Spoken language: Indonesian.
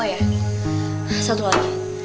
oh iya satu lagi